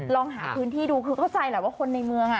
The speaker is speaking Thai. ลองหาพื้นที่ดูคือเข้าใจแหละว่าคนในเมือง